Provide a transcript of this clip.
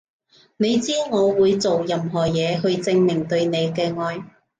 你知我會做任何嘢去證明對你嘅愛